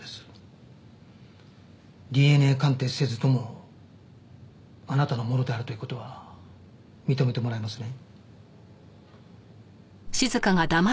ＤＮＡ鑑定せずともあなたのものであるという事は認めてもらえますね？